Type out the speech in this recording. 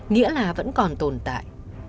nghĩa là vẫn còn tồn tại